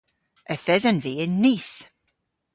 Yth esen vy yn Nice.